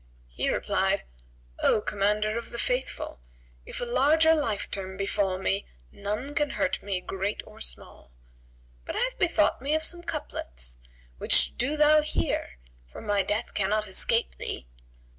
He replied, "O Commander of the Faithful, if a larger life term befell me, none can hurt me, great or small; but I have bethought me of some couplets, which do thou hear, for my death cannot escape thee."